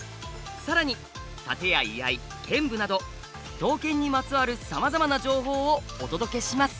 さらに殺陣や居合剣舞など刀剣にまつわるさまざまな情報をお届けします！